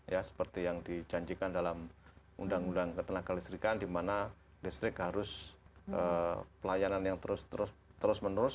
ya seperti yang dijanjikan dalam undang undang ketenagaan listrikan di mana listrik harus pelayanan yang terus menerus